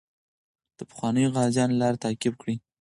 د پخوانیو غازیانو لار تعقیب کړئ.